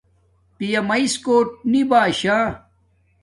پیامیس کوٹ نی باشاہ